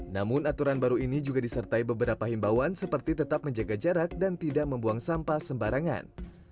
namun aturan baru ini juga disertai beberapa himbawan seperti tetap menjaga jarak dan tidak membuang sampah sembarangan